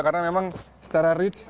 karena memang secara reach